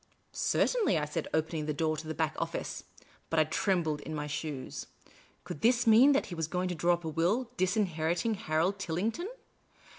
" Certainly," I said, opening the door into the back office. But I trembled in my shoes. Could this mean that he was going to draw up a will, disinheriting Harold Tillington